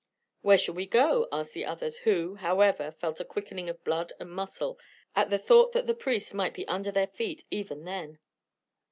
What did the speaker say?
"Where shall we go?" asked the others, who, however, felt a quickening of blood and muscle at the thought that the priest might be under their feet even then.